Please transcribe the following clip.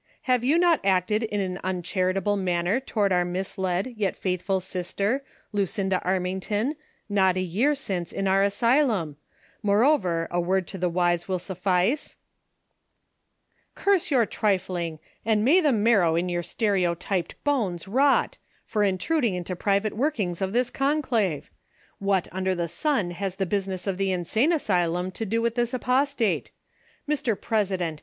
"Have you not acted in an 'uncharitable' 132 THE SOCIAL WAR OF 1900; OR, manner toward our misled, but faithful sister, Lucinda Armington, not a year since, in our asylum ; moreover, a word to the wise will suffice V "" Curse your trifling, and may the marrow in your stereotyped bones rot, for intruding into the private work ings of this conclave ! AVliat under the sun has the busi ness of the insane asylum to do with this apostate V Mr. President